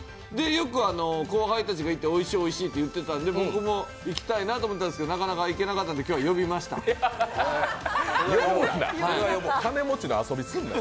よく後輩たちが行っておいしい、おいしいって言ってたので、僕も行きたいなと思ってたんですけど、なかなか行けないので呼ぶな！